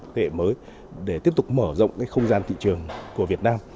thế hệ mới để tiếp tục mở rộng cái không gian thị trường của việt nam